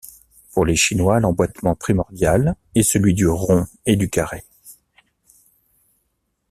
Pour les Chinois, l'emboitement primordial est celui du rond et du carré.